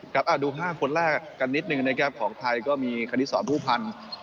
ครับดู๕คนแรกกันนิดหนึ่งนะครับของไทยก็มีคณิตสอนผู้พันธ์